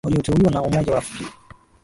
walioteuliwa na umoja wa afri